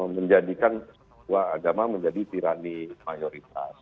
menjadikan sebuah agama menjadi tirani mayoritas